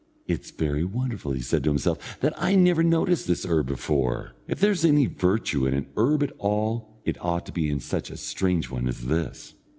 "It's very wonderful," said he to himself, "that I never noticed this herb before. If there's any virtue in an herb at all, it ought to be in such a strange one as this."